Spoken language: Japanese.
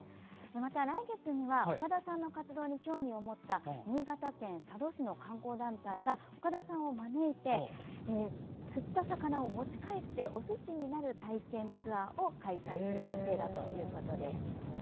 また来月には岡田さんの活動に興味を持った新潟県佐渡市の観光団体が岡田さんを招いて釣った魚を、持ち帰っておすしになる体験ツアーを開催する予定だということです。